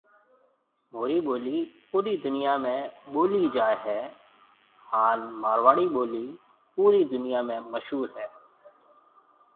مهوري ٻولَي پوري دنَيا ۾ ٻولَي جائي هيَ هانَ مارواڙي ٻولَي پوري دنَيا ۾ مشهور هيَ۔